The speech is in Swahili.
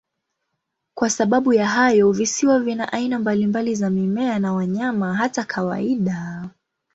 Kwa sababu ya hayo, visiwa vina aina mbalimbali za mimea na wanyama, hata kawaida.